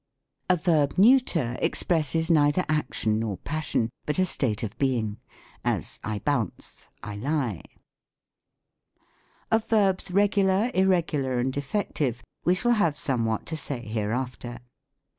51 A Verb Neuter expresses neither action nor passion, but a state of being ; as, I bounce, I lie. " F.irt, Madam I" " Gracious, Major !'' Of Verbs Regular, Irregular, and Defective, we shall have somewhat to say hereafter.